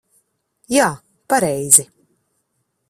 Jā, pareizi.